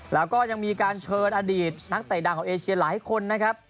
แล้วก็ยังมีการเชิญอดีตนักเตะดังของเอเชียหลายคนนะครับ